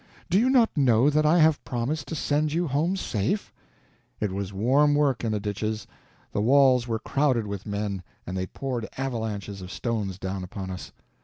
Do you not know that I have promised to send you home safe?" It was warm work in the ditches. The walls were crowded with men, and they poured avalanches of stones down upon us.